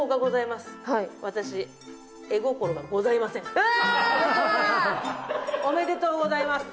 うわ！おめでとうございます。